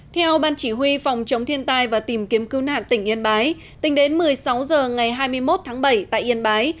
theo ban chỉ huy phòng chống thiên tai và tìm kiếm cứu nạn tỉnh yên bái tính đến một mươi sáu h ngày hai mươi một tháng bảy tại yên bái